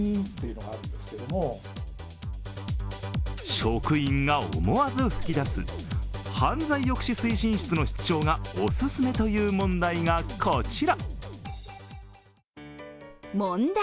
職員が思わず吹き出す犯罪抑止推進室の室長がオススメという問題がこちら。